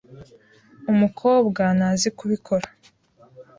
Umukobwa ntazi kubikora.